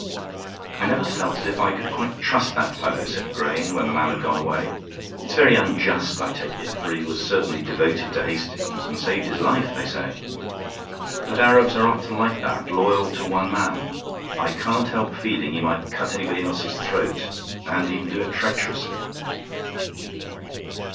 "I never feel as if I could quite trust that fellow," said Grayne, when the man had gone away. "It's very unjust, I take it, for he was certainly devoted to Hastings, and saved his life, they say. But Arabs are often like that, loyal to one man. I can't help feeling he might cut anybody else's throat, and even do it treacherously."